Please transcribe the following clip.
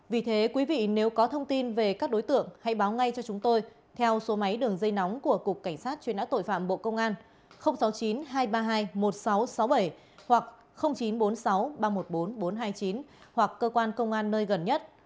vì thế quý vị nếu có thông tin về các đối tượng hãy báo ngay cho chúng tôi theo số máy đường dây nóng của cục cảnh sát truy nã tội phạm bộ công an sáu mươi chín hai trăm ba mươi hai một nghìn sáu trăm sáu mươi bảy hoặc chín trăm bốn mươi sáu ba trăm một mươi bốn bốn trăm hai mươi chín hoặc cơ quan công an nơi gần nhất